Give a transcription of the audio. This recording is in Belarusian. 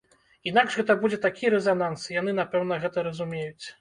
Інакш гэта будзе такі рэзананс, і яны, напэўна, гэта разумеюць.